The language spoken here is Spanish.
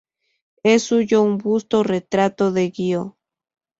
Es suyo un busto-retrato de Gio.